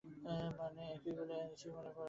মানে, একেই বলে নিচু মনের প্রার্থী।